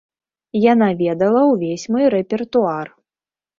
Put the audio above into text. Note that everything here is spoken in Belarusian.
Яна ведала ўвесь мой рэпертуар.